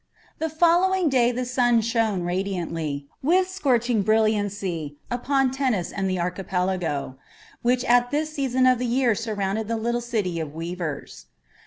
The following day the sun shone radiantly, with scorching brilliancy, upon Tennis and the archipelago, which at this season of the year surrounded the little city of weavers.